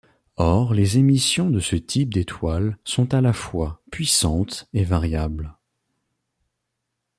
Or les émissions de ce type d'étoile sont à la fois puissantes et variables.